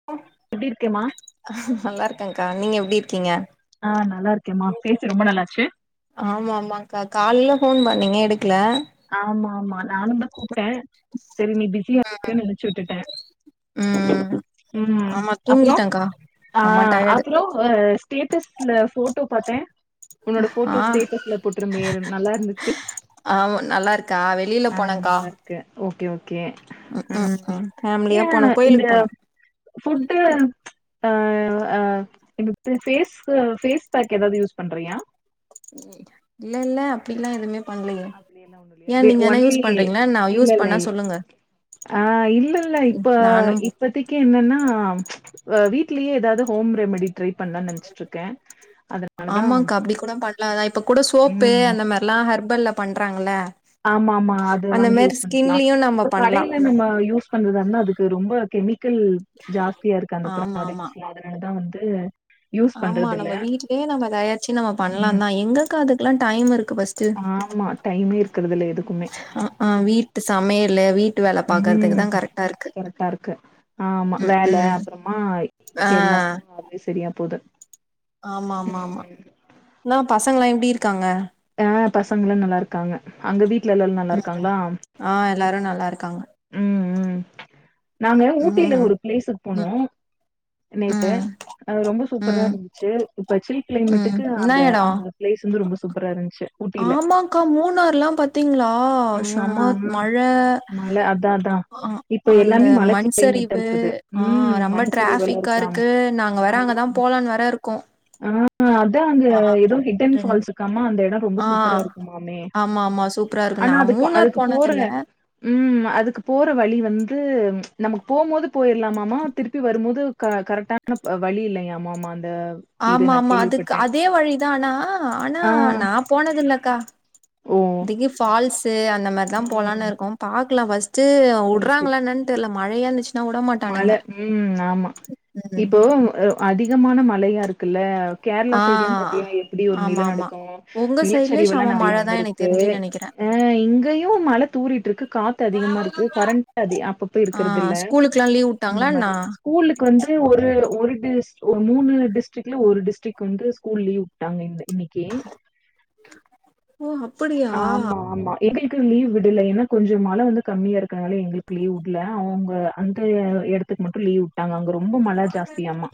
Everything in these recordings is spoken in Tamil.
[unintelligible] எப்டி இருக்கேமா நல்லா இருக்கேகா நீங்க எப்டி இருக்கீங்க ஆ நல்லா இருக்கேம்மா பேசி ரொம்ப நாள்லச்சு ஆமா ஆமாக்கா கால்ல ஃபோன் பண்ணிங் எடுக்கல ஆமா ஆமா நானும் தா கூப்ட்ட சரி நீ பிஸியா இருக்க நெனைச்சு விட்டுட்ட ம் ம் ஆமா அப்ற தூங்கிட்டேன்க்கா அ செம டயர்டு அப்ற அ ஸ்டேட்டஸ்ல ஃபோட்டோ பாத்த உன்னோட ஆ ஃபோட்டோ ஸ்டேட்டஸ்ல போட்ருந்தியே நல்லா இருந்துச்சு ஆ நல்லா இருக்கா வெ அ நல்லாருக்கு ஓகே ஓகே ம் ஃபேமிலியா ஏ போனோ இந்த கோயிலுக்கு போனோ ஃபுட்டு ஆ ஃபேஸ்க்கு ஃபேஸ் பாக் எதாவது யூஸ் பண்றியா இல்ல இல்ல அப்டிலா எதுமே அப்டியெல்லா ஒன்னு இல்லையா ஏன் வே நீங்க எனா ஒன்லி யூஸ் பண்றீங்களா என்ன இல்ல யூஸ் இல்ல பண்ணா இல்ல சொல்லுங்க ஆ இல்ல இல்ல ம், இப்ப நானும் இப்பத்திக்கு என்னன்னா வ வீட்லயே எதாவது ஹோம் ரெமடி ட்ரை பண்ணலானு நினைச்சிட்டு இருக்கே அத ஆமாக்கா அப்டி கூட பண்ணலாம்தா இப்ப கூட சோப்பு ம் அந்த மாரிலா ஹெர்பல்ல பண்றாங்கள ஆமா ஆமா அது வாங்கி யூஸ் பண்ணிக்லா நம்ம இப்ப பண்லா கடையில நம்ம யூஸ் பண்றதா இருந்தா அதுக்கு ரொம்ப கெமிக்கல் ஜாஸ்தியா இருக்கு அந்த ஆமா ஆமா ப்ராடக்ட்ஸ்ல அதனாலதா வந்து யூஸ் ஆமா பண்றது இல்ல நம்ம வீட்லயே நம்ம தயார்ச்சி நம்ம ம் பண்லாதா எங்கக்கா அதுக்குல்லா டைம் இருக்கு ஃபர்ஸ்ட் ஆமா டைமே இருக்குறது இல்ல எதுக்குமே ஆ ஆ வீட்டு சமையல்லு வீட்டு வேலை பாக்கறதுக்குதா கரெக்டா இருக்கு கரெட்டா இருக்கு ஆமா ம் வேல ம் அப்புறமா ஆ எல்லாக்கு அதுவே சரியா போது ஆமா ஆமா ஆமா ம் என்னா பசங்கள்லா எப்டி இருக்காங்க ஆ பசங்களா நல்லாருக்காங்க அங்க வீட்ல எல்லா ம் நல்லாருக்காங்களா ஆ எல்லாரு நல்லாருக்காங்க ம் ம் நாங்க ம் ஊட்டில ம் ஒரு பிளேஸுக் போனோ நேத்து ம் அது ரொம்ப சூப்பரா ம் இருந்துச்சு இப்ப சில் ம் கிளைமேட்க்கு என்னா அந்த எடம் அந்த பிளேஸ் வந்து ரொம்ப சூப்பரா இருந்துச்சு ஊட்டில ஆமாக்கா மூணார்லாம் பாத்தீங்களா ஆ சமத் ஆமா மழ மழ அதா அதா ஆ இப்ப அந்த எல்லாமே மழ கிளைமேட்டா மண்சரிவு இருக்குது. ஆ ம் மண் ரம்பட் சரிவெல்லா டிராஃபிக்கா ஆமா இருக்கு நாங்க வேற அங்கதா போலான்னு வேற இருக்கோ [inaudible] ட்டோ அங்க ஏதோ ஹிட்டன் ரெண் ஃபால்ஸ் இருக்காமே அந்த இட ரொம்ப ஆ சூப்பரா இருக்குமாமே ஆமா ஆமா சூப் ஆனா அதுக்கு அதுக்கு போடல ம் அதுக்கு போற வழி வந்து நமக்கு போம் போது போயிரலாமாமா திருப்பி வரும் போது க கரெக்டா ஆனா வழி இல்லையாமா மா அந்த இது ஆமா நான் மா அதுக்கு கேள்விப்பட்டேன். அதே வழி தானா ஆனா ஆ. நா போனதில்லக்கா ஓ இதுக்கு ஃபால்ஸு அந்த மாதிரிதா போலானு ம். இருக்கோ பாக்கலா ஃபர்ஸ்ட்டு சரி, சரி. உடுறாங்களா என்னா தெரில மழையா இருந்துச்சு மழை ம் ஆமா ம். இப்போ அதிகமான மழையா இருக்குல்ல கேரளா ஆ. சைட்லா பாத்தியா எப்படி ஒரு நில ஆமாமா. நடுக்க உங்க சைட்லயே நிலச்சரிவுலா செம நெறைய மழ தான் எனக்கு வந்துருக்கு தெரிஞ்சுன்னு நெனைக்கிறேன். ஆ இங்கயு மழ தூறிட்டு இருக்கு காத்து அதிகமா இருக்கு கரண்ட் அது அப்பப்ப இருக்கிறது அ ஸ்கூலுக்லா லீவ் அந்த உட்டாங்களா என்ன? மாரி ஸ்கூலுக்கு வந்து ஒரு ஒரு டிஸ் மூணு டிஸ்ட்ரிக்ல ஒரு டிஸ்ட்ரிக் வந்து ஸ்கூல் லீவ் நாங்க இந்த இன்னிக்கி ஓ ம் அப்படியா ஆமா ஆமா எங்களுக்கு லீவ் விடல ஏன்னா கொஞ்சோ மழ வந்து கம்மியா இருக்கனால எங்களுக்கு லீவ் விடல அவங்க அந்த இடத்து க்கு மட்டும் லீவ் விட்டாங்க ரொம்ப மழ ஜாஸ்தியாமா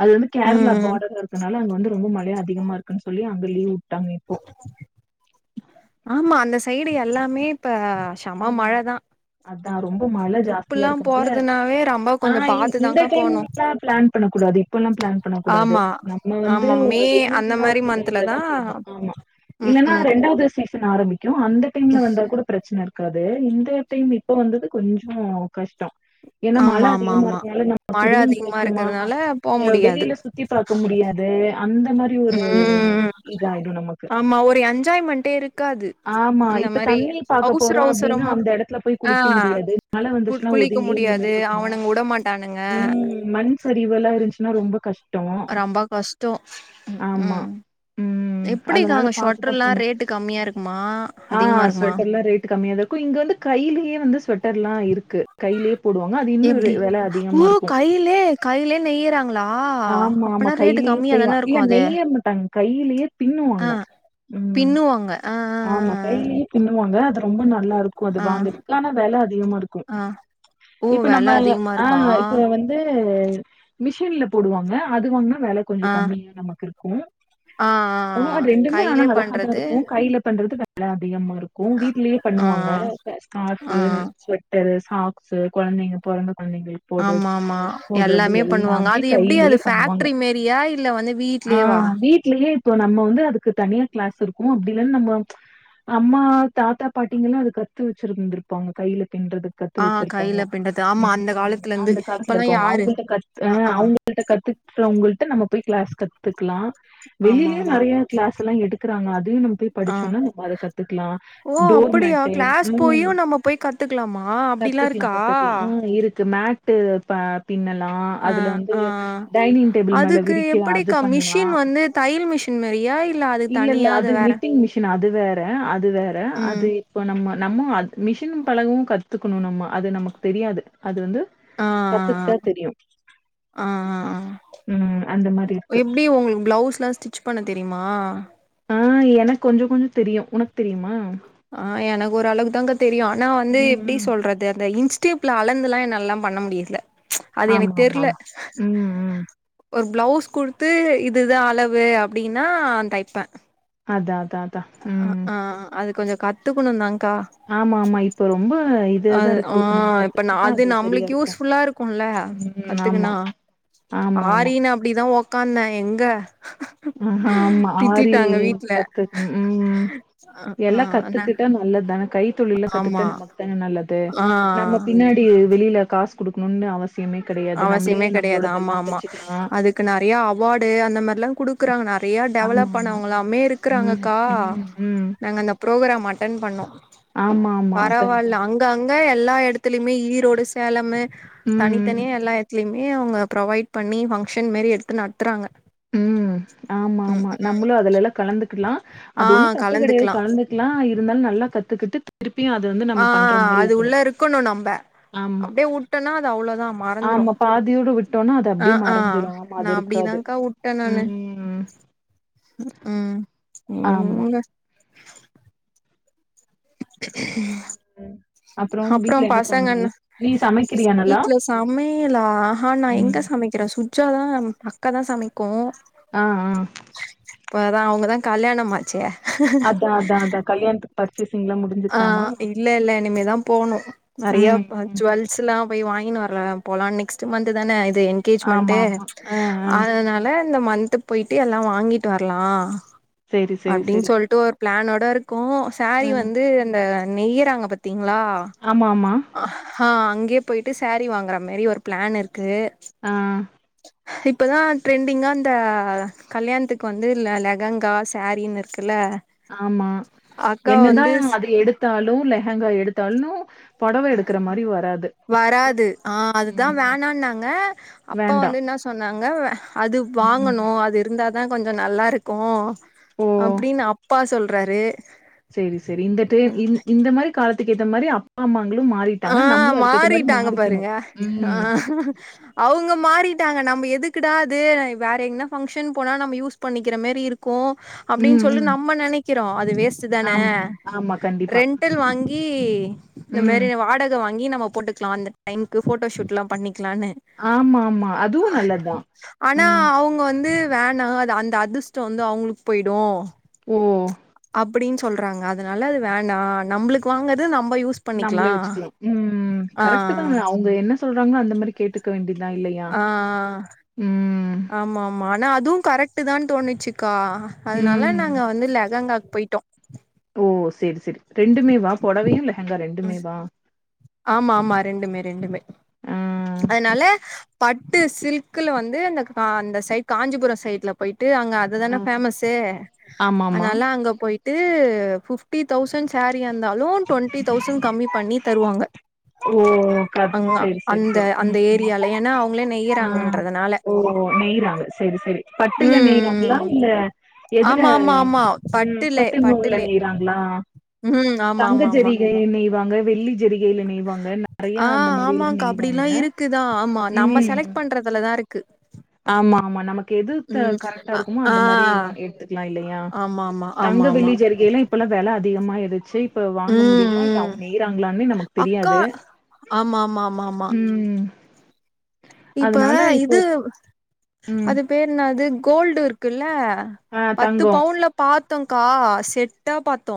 அது வந்து ம், கேரளா ம். பார்டரா இருக்கனால அங்க வந்து ரொம்ப மழையா அதிகமா இருக்குன்னு சொல்லி அங்க லீவு விட்டாங்க இப்போ ஆமா அந்த சைடு எல்லாமே இப்ப ஷெம மழ தா அதா ரொம்ப மழ ஜாஸ்தியா இருக்கனால போறதுனாவே ரொம்ப ஆ கொஞ்சோ இந்த பாத்துதாக்கா டைம் போனு எல்லா ப்ளான் பண்ண கூடாது இப்பெல்லா ப்ளான் பண்ண கூடாது ஆமா நம்ம வந்து ஆமா மே அந்த வெயிலா மாரி இருக்குற மந்த்ல டைம்ல தா போகணு ஆமா ம் இல்லன்னா ம் ரெண்டாவது சீசன் ஆரம்பிக்கு அந்த டைம்ல வந்தா கூட பிரச்சன இருக்காது இந்த டைம் இப்ப வந்தது கொஞ்சோ கஷ்டம் ஏன்னா மழ ஆமா ஆமா அதிகமா ஆமா இருந்தனால நமக்கு மழ ரூம் அதிகமா கிடைக்குமா இருக்கறதுனால போ யா முடியாது வெளியில சுத் சுத்தி பாக்க முடியாது அந்த மாரி ஒரு ம் இதாயிடும் நமக்கு. ஆமா ஒரு என்ஜாய்மெண்டே இருக்காது ஆமா. இந்த இப்ப மாரி தண்ணி அவு பார்க்க அவசர போறோம் அப்டின்னா, அவசரமா அந்த இடத்துல போய் ஆ குளிக்க முடியாது. மழை குள் வந்துச்சுன்னா குளிக்க ஒதுங்கி முடியாது நின்னுட்டு இருக்கணும். அவனுங்க வுட மாட் டானுங்க ம் மண் சரிவலா இருந்துச்சுன்னா ரொம்ப கஷ் ரொம்ப கஷ்டோ ம் ஆமா ம் ம் எப்டிக்கா அதனால அங்க பாத்துதா ஷொட்ருல்லா போணு ரேட்டு கம்மியா இருக்குமா அதிகமா இருக்குமா கம்மியாத இருக்கு இங்க வந்து கையிலேயே வந்து ஸ்வெட்டர்ல்லா இருக்கு கையிலே போடுவாங்க அது இன்னு ஒரு வெல அதிகமாருக்கு லே கையிலே நெய்யிறாங்க லா ஆமா ஆமா அப்பன்னா ரேட்டு கையிலயே கம்மியா செய்வா தானே இல்ல இருக்கு அது நெய்ய மாட்டாங்க கையிலயே ஆ பின்னுவாங்க ம் பின்னுவாங்க ஆ ஆ ஆமா ஆ கையிலயே பின்னுவாங்க அது ரொம்ப நல்லாருக்கு அது வாங்கது ஆனா வெல அதிகமாருக்கு ஆ ஆ ஓ இப்ப வெல நம்ம ய அதிகமா ஆ இருக்கு இப்ப வந் இது மிஷின்ல போடுவாங்க அது வாங்னா வெல கொஞ்சோ ஆ கம்மியா நமக்கு இருக்கு ஆ [unintelligible] ஆ. அது ரெண்டுமே ஆனா கையிலே அழகா தா பண்றது இருக்கு கையில பண்றது வெல அதிகமா இருக்கு வீட்லயே ஆ பண்ணுவாங்க ஆ ஸ்கார்ஃபு ஆ. ஸ்வொட்டரு சாக்ஸ்சு கொழந்தைங்க பொறந்த கொழந்தைங்களு ஆமா மா மா எல்லாமே பண்ணுவாங்க அது எப் டி கையிலயே அது பண்ணுவாங்க. ஃபாக்டரி மேரியா இல்ல வந்து ஆ வீட்லேவா வீட்லயே இப்போ நம்ம வந்து அதுக்கு தனியா கிளாஸ் இருக்கு அப்டி இல்லனா நம்ப அம்மா தாத்தா பாட்டிங்கல்லா அது கத்து வச்சுருந்திருப்பாங்க கையில பின்றது கத்து ஆ வச்சுருப்பாங்க கையில பின்றது ஆமா அந்த காலத்துல இருந்து அந்த காலத்துல இப்பல்லா இருக்கவங்க யாரு அவங்கள்ட்ட கத் அ ஆ ஆ அவுங் ங்கள்ட கத்துக்றவங்கள்ட நம்ம போய் க்ளாஸ் கத்துக்கலா ஆமா வெளியிலயு ஆமா நெறைய க்ளாஸ் எல்லா எடுக்றாங்க அதையு நம்ம போய் ஆ படிச்சோன்னா நம்ம அத கத் கத்துக்கலா ஓ டோர் அப்படியா மேட்டு் கிளாஸ் ம் போயு நம்ம போய் கத்துக்கலாமா அப்டிலா கத்துக்லா இருக்கா கத்துக்லா உ இருக் மேட்டு பா பின்னலா ஆ அதுல வந்து ஆ டைனிங் டேபிள் மேல அதுக்கு விரிக்கலா அது எப்படிக்கா பண்ணலா மிஷின் வந்து தையல் மிஷின் மாரியா அது இல்ல இல்ல தனியா அது நி வேற டிங் மிஷின் அது வேற அது வேற ம் அது இப்போ நம்ம நம்ம அத் மிஷினு பழகு கத்துக்கணு நம்ம அது நமக்கு தெரியாது அது வந்து ஆ கத்துக்கிட்டா தெரியு ஆ ஆ ஆ ம் அந்த மாரி இருக்கு ப்டி உங்களுக்கு ப்ளவுஸ்லா ஸ்டிச் பண்ண தெரியுமா ஆ எனக்கு கொஞ்சோ கொஞ்சோ தெரியு உனக்கு தெரியுமா ஆ எனக்கு ஒரு அளவுக்கு தாங்க தெரியு ஆனா ம் வந்து எப்டி சொ ம் சொல்றது அந்த இன்ஸ்டேப்ல அளந்துலா என்னால்லா பண்ண முடியல அது ஆமா எனக்கு ஆமா தெர்ல ஆமா. ம் ம். ஒரு ப்ளௌஸ் குடுத்து இதுதா அளவு அப்டின்னா தைப்ப அதா அதா ஆ ஆ ஆ அது கொஞ்சோ கத்துக்கணுந்தாங்கா ஆமா ஆமா. இப்ப ரொம்ப இதா தான் அது இருக்கு. ஆ நம்ம இப்ப கத்துக்கிட்டா அது சரியா நம்பளுக்கு இருக்கும். யூஸ்ஃபுல்லா இருக் கும்ல ம் ஆமா. கத்துக்குனா ஆமா ஆமா. ஆரின்னு அப்டிதா ஒக்காந்தே எங்க ம் ஆமா ஆரி திட்டிட்டாங்க வீட்ல கத்து ஆ ஹ்ம் என்ன நல்லத்தான கை தொழில்ல கத்துக்டா நமக் தான நல்லது ஆ நம்ம பின்னா டி வெளீல காஸ் குடுக்ணுன்னு அவசியமே கெடயாது நம்ளே நம்ளோடதெல்லா தச்சிக்லா க்கு நறையா அவாடு அந்த மர்லா குடுக்குறாங்க நறைய ஆமா டெவலப் ஆமா. ம் பண்ணவங்கலாமேருக்குறாங்கக்கா ம் ம். நாங்க அந்த ப்ரோகராம் அட்டன் பண்ணோ ஆமா ஆமா. அதான் பரவால்ல அதான். அங் ங்க அங்க எல்லா எடத்துலிமே ஈரோடு சேலம்மு ம் ம். இத்தனியு எல்லா எத்லிமே அவ்ங்க ப்ரொவைட் பண்ணி ஃபங்ஷன் மெரி எத்து நத்துறாங்க ம் ஆம்மாமா நம்ளு அதுலல்லா கலந்துக்குலா ஆ அது ஒண்ணு தப்பு கெடியாது கலந்துக்கலா கலந்து கிலா இருந்தாலு நல்லா கத்துக்குட்டு திருப்பியு அது வந்து ஆ அது உள்ளருக்கணு நம்ப ஆமா. அப்டே உட்டனா அது அவ்ளோதா மறந்துரோ ஆமா. பாதியோட விட்டோம்னா, அது அ அப்படியே ஆ மறைஞ்சிரும். ஆமா, நா அது இருக்காது. அப்டிதாக்கா உட்ட நானு ம். ம் ம் சேரி ஆமா. உடுங்க [unintelligible] ம். அப்புறம் அப்றோ வீட்ல என்ன பசங்கண்ண சமையல்? நீ சமைக்கிறியா நல்லா? வீட்ல சமைலா நா ம். எங்க சமை க்கிற சுஜ்ஜாதா அக்கா தா சமைக்கோ ஆ ஆ ப்ப தா அவ்ங்கதா கல்யாணமாச்சே அதா அதா அதா கல்யாண்த்துக் பர்சஸ்ஸிங்லா முடி ஆ இல்லல்ல இனிமேதா போணோ நறைய ம், [unintelligible] ம். ஜிவெல்ஸ்ல்லா போய் வாங்கினு வர்ல போலா நெக்ஸ்ட்டு மந்த்து தான இது என் கெஜ்மண்ட்டு ஆமாமா. ஆ, ஆ. அதனால இந்த மந்த்து பொய்ட்டு எல்லா வாங்கிட்டு வர்லா சரி, சரி, அப்டின் சரி. சொல்ட்டு ஒரு ப்ளானோடர்க்கோ சாரி ம். வந் து அந்த நெய்யராங்க பத்தீங்ளா ஆமா ஆமா ஆ அங்யே பொய்ட்டு சாரி வாங்கற மேரி ஒரு ப்ளான் இர்க்கு ஆ. இப்பதா ட்ரெண்டிங்கா இந்த கல்யாண்த்துக் வந்து லெ லெகங்கா சாரின் இருக்குல்ல ஆமா அக்கா என்னதா வந்து அது எடுத்தாலு லெஹங்கா எடுத்தாலு வராது ஆ அதுதா ம். வேணான்னாங்க அப்பா வேண்டாம். வந்து இன்னா சொன்னாங்க அது ம். வாங்கணு அது இருந்தா தா கொஞ்சோ நல்லாருக்கோ ஓ! அப்டின்னு அப்பா சொல்றாரு செரி செரி இந்த ட்ரே இந் இந்த மாரி காலத்துக்கேத்த மாரி அப் பா அம்மாங்களு ஆ மாறிட்டாங்க நம்ளு அதுக்கேத்த மாரி மாறிக்கணு ம் அவ்ங்க மாறிட்டாங்க நம்ப எதுக்குடா அது வேற எங்னா ஃபங்கஷன் போனா நம்ம யூஸ் பண்ணிக்கிற மேரி இருக்கு அப்டின் ம், சொல்லு ம். நம்ம நெனைக்கிறோ அது வேஸ் [unintelligible] தான ஆமா, ஆமா. கண்டிப்பா. ரெண்டல் வாங்கி இந்தமே ம். வாடக வாங்கி நம்ம போட்டுக்லா அந்த டைம்க்கு ஃபோட்டோஷூட்லா பண்ணிக்லான்னு ஆமா, ஆமா. அதுவும் நல்லதுதான். ஆனா ம். அவ்ங்க வந்து வேணா அந்த அதுஷ்டோ வந்து அவ்ங்களுக் பொய்டு ஓ அப்டின் சொல்றாங்க அதனால அது வேண்டா நம்புளுக்கு வாங்கது நம்ப யூஸ் நம்புளே பண்ணிக்கலா வெச்சிக்லா ம் ம் ஆ கரெக்டு தா அவ்ங்க என்ன சொல்றாங்கோ அந்த மரி கேட்டு க்க வேண்டிதா இல்லையா ஆ ஆ ம் ஆமா ஆமா ஆனா அதுவு கரெக்டு தா தோணுச்சிக்கா அதனால ம். நாங்க வந்து லெகங்காக் பொய்ட்டோ ஓ செரி செரி ரெண்டுமேவா பொடவயு லெஹங்கா ம் ரெண்டுமேவா ஆமா ஆமா ரெண்டுமே ரெண்டுமே ஆ அதனால பட்டு சில்க்குல வந்து அந்த க அந்த சைட் காஞ்சிபுரொ சைட்ல பொய்ட்டு அங்க ஆ அதுதான ஃபேமசு ஆமாமா அனால அங்க பொய் ட்டு ஃபிப்டி தௌசண்ட் சேரியா இந்தாலு டுவெண்ட்டி தௌசண்ட் கம்மி பண்ணி தருவாங்க ஓ கது அங்க சரி சரி அந்த சரி அந்த ம் ம் ஏரியால ஏன்னா அவங்களே அ நெய்யறாங்கன்றதுனால ஓ நெய்றாங்க செரி செரி பட்டுல ம் ம் நெய்றாங்களா ம். இல்ல எதுல ஆமா ஆமா ஆமா ம் பட்டுலே பட்டு நூல்ல பட்டுலே நெய்றாங்ளா ம் ஆமா தங்க ஆமா ஆமா ஜரிகை நெய்வாங்க வெள்ளி ஜரிகைல நெய் ஆ ஆமாங்க்கா அப்டிலா இருக்குதா ஆமா நம்ம ம் செலக்ட் பண்றது துலதா இருக்கு ஆமா ஆமா நமக்கு எது த ம் கரெக்டா இருக்குமோ ஆ அந்த மாரி வ எடுத்துக்கலா இல்லையா ஆமா ஆமா ஆமா தங்க ஆமா வெள்ளி ஜருகைல்லா இப்பல்லா வெல அதிகமாயிருச்சு இப்ப வாங்க ம் முடியுமா இல்ல ம் அவங்க நெய்றாங்களான்னு நமக்கு தெரியாது மாமாமாமா ம். இப்ப அதனால இப்போ இது அது பேர் என்னது கோல்டு இருக்குல்ல ஆ பத்து தங்கம். பவுன்ல பாத்தோக்கா செட்டா பாத்தோ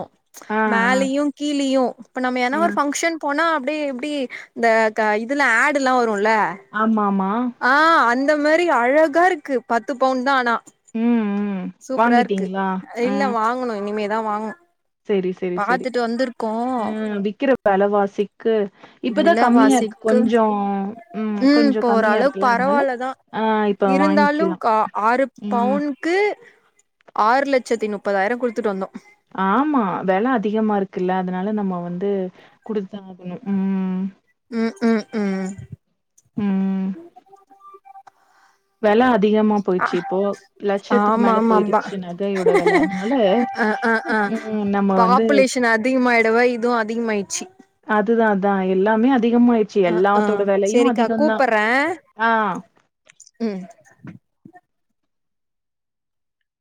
ஆ, மேலயு கீழயு இப்ப நம்ம ஆ, எனா ஆ. ஒரு ஃபங்க்ஷன் போனா அப்டி இப்டி இந்த க இதுல ஆடு்ல்லா வருல ஆமாமா ஆ அந்த மாரி அழகாருக்கு பத்து பவுன்தா ஆனா ம், ம். சூப்பரா ருக்கு வாங்கிட்டீங்களா? இல்ல வாங்கணு இனிமேதா வாங் செரி சரி சரி ம் விக்கிற வெலவாசி க்கு இப்பதா கம்மியா இருக்கு விலவாசிக்கு கொஞ்சோ ம் கொஞ்சொ இப்ப கம்மியா ஓரளவுக்கு இருக்குல்ல அதனால பரவால்லதா ஆ இப்ப வாங்கிக்கலா ம் க்கு ஆறு லட்சத்தி நுப்பதாயிரோ குடுத்துட்டு வந்தோ ஆமா வெல அதிகமா இருக்குல்ல அதனால நம்ம வந்து குடுத்துதா ஆகனு ம் ம் ம் ம் ம். வெல அதிகமா போயிடுச்சு இப்போ. லட்சத்துக்கு மேல ஆமாமம்மா போயிருச்சு நகையோட வெல. அதனால அ அ அ ம் நம்ம வந்து பாப்புலேஷன் அதிகமாயிடுவ இதுவு அதிகமாய்டுச்சு அதுதா அதா எல்லாமே அதிகமாயிடுச்சு ஆ ஆ எல்லாத்தோட வெலையு செரிக்கா அதிகந்தா கூப்பர்றே ஆ ம்